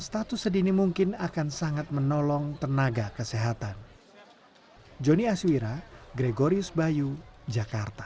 status sedini mungkin akan sangat menolong tenaga kesehatan joni aswira gregorius bayu jakarta